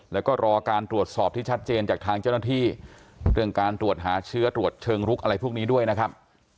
แล้วก็รอการตรวจสอบที่ชัดเจนจากทางเจ้าหน้าที่เรื่องการตรวจหาเชื้อตรวจเชิงลุกอะไรพวกนี้ด้วยนะครับ